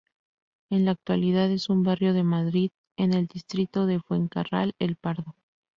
En la actualidad es un barrio de Madrid, en el distrito de Fuencarral-El Pardo.